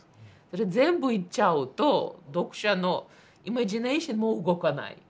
全部言っちゃうと読者のイマジネーションも動かない。